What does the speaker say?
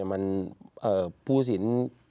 มันผู้สิน